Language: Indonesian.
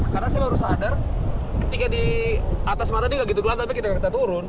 karena saya baru sadar ketika di atas mata dia nggak gitu gelap tapi kita turun